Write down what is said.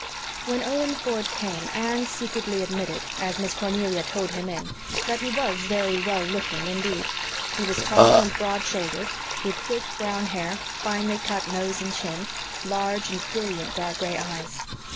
When Owen Ford came Anne secretly admitted, as Miss Cornelia towed him in, that he was very "well looking" indeed. He was tall and broad shouldered, with thick, brown hair, finely cut nose and chin, large and brilliant dark gray eyes.